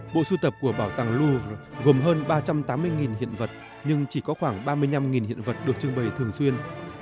bộ sưu tập của bảo tàng louv gồm hơn ba trăm tám mươi hiện vật nhưng chỉ có khoảng ba mươi năm hiện vật được trưng bày thường xuyên